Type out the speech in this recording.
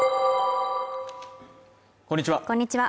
こんにちは